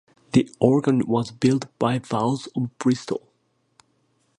The organ was built by Vowles of Bristol.